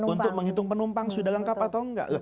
untuk menghitung penumpang sudah lengkap atau enggak